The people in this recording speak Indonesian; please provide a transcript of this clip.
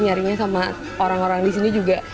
nyarinya sama orang orang di sini juga